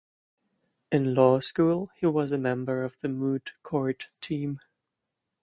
In law school he was a member of the moot court team.